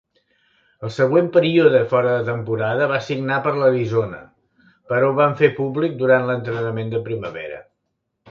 El següent període fora de temporada va signar per l'Arizona, però ho van fer públic durant l'entrenament de primavera.